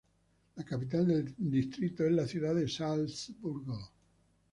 La capital del distrito es la ciudad de Salzburgo.